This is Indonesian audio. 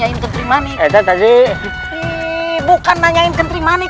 lain keteng manik lain keteng manik